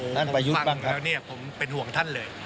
โอ้โฮผมฟังแล้วผมเป็นห่วงท่านเลย